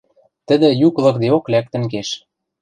Тӹдӹ юк лыкдеок лӓктӹн кеш.